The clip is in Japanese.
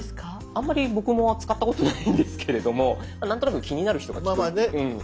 あんまり僕も使ったことないんですけれども何となく気になる人がきっと。